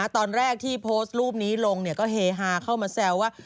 ตอนแรกที่โพสต์รูปนี้ลงก็เฮฮาเข้ามาแซวว่า